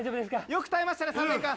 よく耐えましたね３年間。